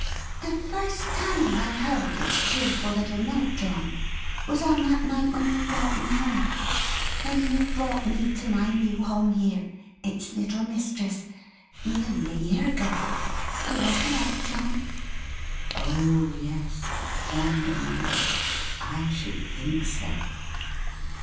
"The first time I heard its cheerful little note, John, was on that night when you brought me home when you brought me to my new home here; its little mistress. Nearly a year ago. You recollect, John?" Oh yes. John remembered. I should think so!